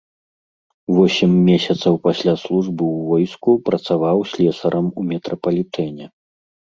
Восем месяцаў пасля службы ў войску працаваў слесарам у метрапалітэне.